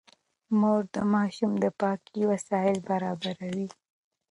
مور د ماشوم د پاکۍ وسايل برابروي.